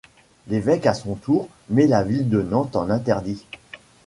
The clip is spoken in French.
L'évêque à son tour, met la ville de Nantes en interdit.